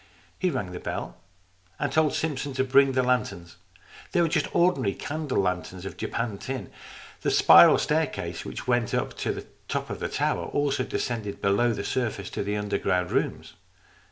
He rang the bell, and told Simpson to bring the lanterns. They were just ordinary candle lanterns of japanned tin. The spiral staircase which went up to the top of the tower also descended below the surface to the underground rooms.